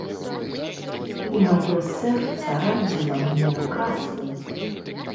І маё сэрца радзіла мне казку.